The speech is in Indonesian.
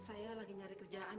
saya lagi nyari kerjaan